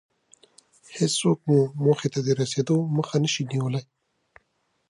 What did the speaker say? هېڅوک مو موخې ته د رسېدو مخه نشي نيولی.